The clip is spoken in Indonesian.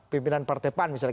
pimpinan partai pan misalnya